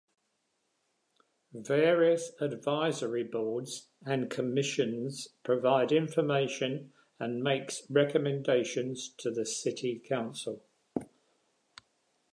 Various advisory boards and commissions provide information and makes recommendations to the City Council.